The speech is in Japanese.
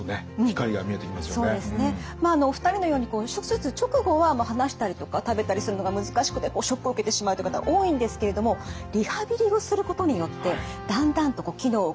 お二人のように手術直後は話したりとか食べたりするのが難しくてショックを受けてしまうという方多いんですけれどもリハビリをすることによってだんだんと機能を回復するという方が多いそうなんです。